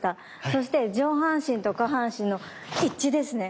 そして上半身と下半身の一致ですね。